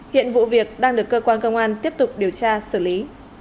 hiện vụ việc đang được cơ quan công an tiếp tục điều tra xử lý